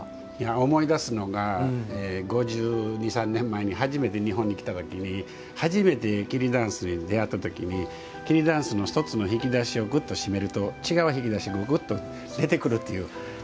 思い出すのが５２３年前に初めて日本に来た時に初めて桐たんすに出合った時に桐だんすの１つの引き出しをぐっと閉めると違う引き出しがぐっと出てくるという。